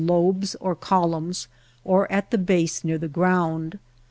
lobes or columns or at the base near the ground.